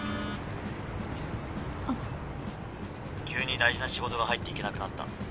急に大事な仕事が入って行けなくなった。